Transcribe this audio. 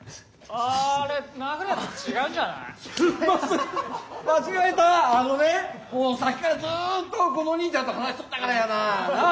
あのねもうさっきからずっとこのおにいちゃんと話しとったからやな。なあ？